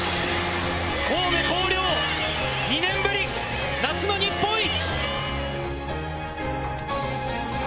神戸弘陵、２年ぶり夏の日本一！